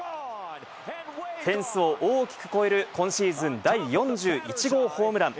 フェンスを大きく超える今シーズン第４１号ホームラン。